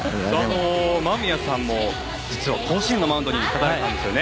間宮さんも、実は甲子園のマウンドに上がったんですよね。